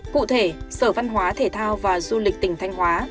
cụ thể sở văn hóa thể thao và du lịch tỉnh thanh hóa